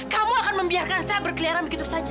kamu akan membiarkan saya berkeliaran begitu saja